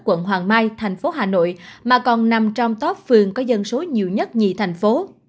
quận hoàng mai thành phố hà nội mà còn nằm trong top phường có dân số nhiều nhất nhì thành phố